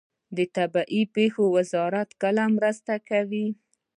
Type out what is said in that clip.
د طبیعي پیښو وزارت کله مرسته کوي؟